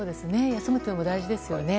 休むのも大事ですよね。